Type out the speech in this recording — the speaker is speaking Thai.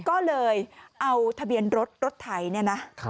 ก็เลยเอาทะเบียนรถรถไถเนี่ยนะ